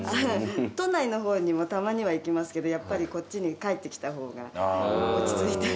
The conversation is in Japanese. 都内の方にもたまには行きますけどやっぱりこっちに帰ってきた方が落ち着いて。